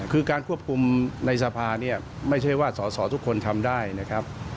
คือการควบคุมในสภาเนี่ยไม่ใช่ว่าสอสอทุกคนทำได้นะครับ